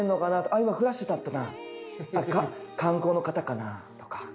あっ今フラッシュたいたな観光の方かなとか。